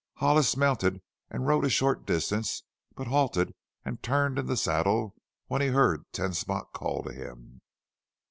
Hollis mounted and rode a short distance, but halted and turned in the saddle when he heard Ten Spot call to him.